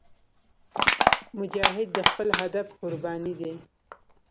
مجاهد د خپل هدف قرباني دی.